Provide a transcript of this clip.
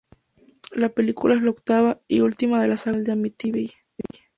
La película es la octava y última de la saga original de Amityville.